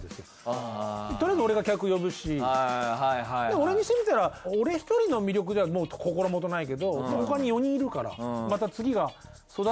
俺にしてみたら俺一人の魅力では心もとないけど他に４人いるからまたそうです